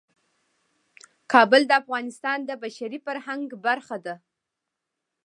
کابل د افغانستان د بشري فرهنګ برخه ده.